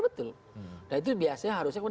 betul nah itu biasanya harusnya